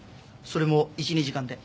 それも１２時間で。